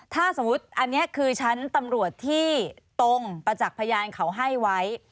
ถ้าสมมุติอันนี้คือชั้นตำรวจที่ตรงประจักษ์พยานเขาให้ไว้